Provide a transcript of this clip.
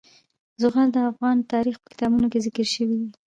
زغال د افغان تاریخ په کتابونو کې ذکر شوی دي.